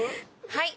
はい！